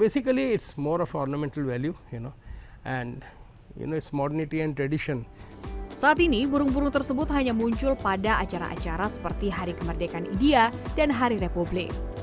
saat ini burung burung tersebut hanya muncul pada acara acara seperti hari kemerdekaan india dan hari republik